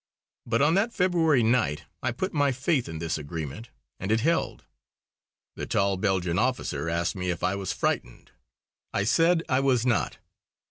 But on that February night I put my faith in this agreement, and it held. The tall Belgian officer asked me if I was frightened. I said I was not.